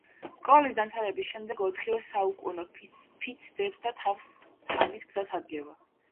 სკოლის დამთავრების შემდეგ ოთხივე საუკუნო ფიცს დებს და თავის გზას ადგება.